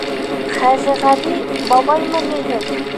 — Хәжеғәли бабаймы ни һеҙ?